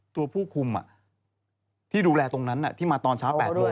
ตัวผู้คุมที่ดูแลตรงนั้นที่มาตอนเช้า๘โมง